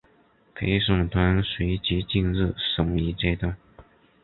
陪审团随即进入审议阶段。